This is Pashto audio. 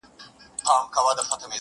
توري شپې لا ګوري په سهار اعتبار مه کوه؛